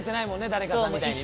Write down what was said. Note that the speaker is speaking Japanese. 誰かさんみたいにね。